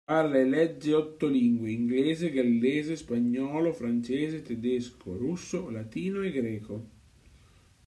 Parla e legge otto lingue: inglese, gallese, spagnolo, francese, tedesco, russo, latino e greco.